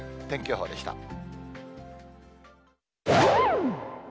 天気予報でした。